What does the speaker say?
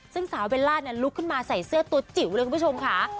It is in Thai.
ซึ่งสาวเบลล่าลุกขึ้นมาใส่เสื้อตัวจิ๋วเลยคุณผู้ชมค่ะ